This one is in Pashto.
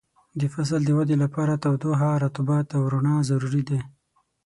د فصل د ودې لپاره تودوخه، رطوبت او رڼا ضروري دي.